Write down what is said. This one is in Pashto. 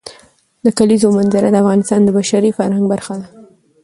د کلیزو منظره د افغانستان د بشري فرهنګ برخه ده.